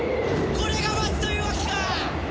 これが罰というわけか！